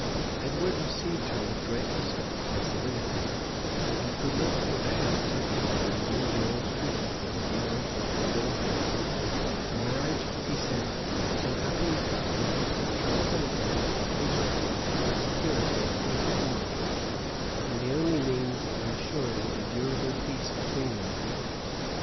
Edward received her with great respect and civility; though he could not forbear attempting to renew the old treaty for his marriage with her daughter; a marriage, he said, so happily calculated for the tranquillity, interest, and security of both kingdoms, and the only means of insuring a durable peace between them.